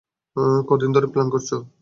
কদ্দিন ধরে প্লান করছো?